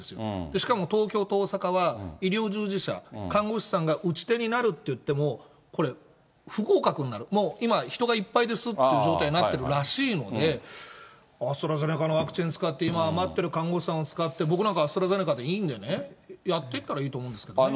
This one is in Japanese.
しかも東京と大阪は、医療従事者、看護師さんが打ち手になるっていっても、これ、不合格になる、もう今、人がいっぱいですっていう状態になっているらしいので、アストラゼネカのワクチン使って、今余ってる看護師さん使って、僕なんかはアストラゼネカでいいんでね、やってったらいいと思うんですけどね。